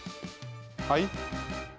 はい？